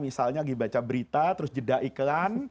misalnya dibaca berita terus jeda iklan